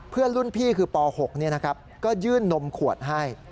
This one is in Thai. เพื่อนรุ่นพี่คือป๖เนี่ยนะครับก็ยื่นนมขวดให้